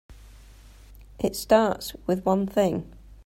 It starts with one thing.